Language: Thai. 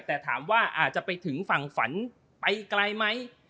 แต่ถามว่าอาจจะไปถึงฝั่งฝันไปไกลไหม